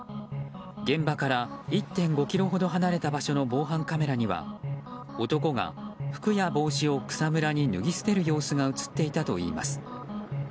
現場から１．５ｋｍほど離れた場所の防犯カメラからは男が服や帽子を草むらに脱ぎ捨てる様子が映っていたといいます。